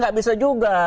gak bisa juga